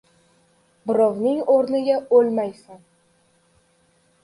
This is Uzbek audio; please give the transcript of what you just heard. • Birovning o‘rniga o‘lmaysan.